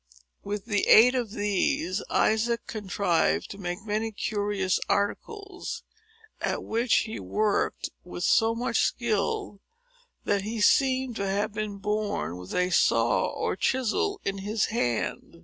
With the aid of these, Isaac contrived to make many curious articles, at which he worked with so much skill, that he seemed to have been born with a saw or chisel in his hand.